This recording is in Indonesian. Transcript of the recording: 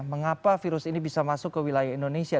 mengapa virus ini bisa masuk ke wilayah indonesia